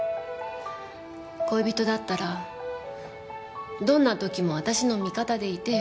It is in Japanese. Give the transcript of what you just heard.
恋人だったらどんな時も私の味方でいてよ。